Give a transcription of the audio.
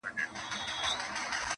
بیا به له دغه ښاره د جهل رېښې و باسو-